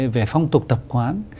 về phong tục tập quán